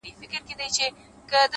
تا ولي په مسکا کي قهر وخندوئ اور ته!